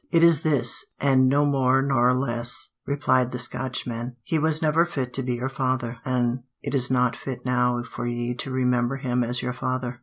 "It is this, an' no more nor less," replied the Scotchman; "he was never fit to be your father, an' it is not fit now for ye to remember him as your father.